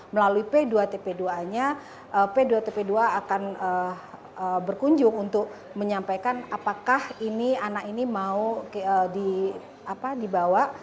melalui p dua tp dua a nya p dua tp dua akan berkunjung untuk menyampaikan apakah anak ini mau dibawa